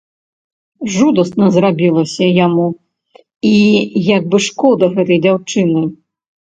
Жудасна зрабілася яму і як бы шкода гэтай дзяўчыны.